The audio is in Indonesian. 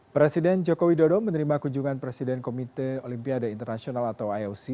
presiden joko widodo menerima kunjungan presiden komite olimpiade internasional atau ioc